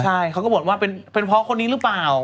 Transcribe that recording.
ใช่เขาก็บอกว่าเป็นเพราะคนนี้หรือเปล่า